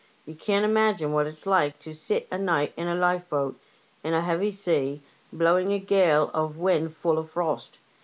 Ye can't imagine what it is to sit a night in a lifeboat in a heavy sea, and blowing a gale of wind full of frost.